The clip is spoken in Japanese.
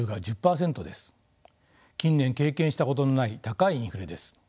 近年経験したことのない高いインフレです。